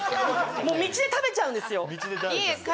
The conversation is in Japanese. もう道で食べちゃうんですよ。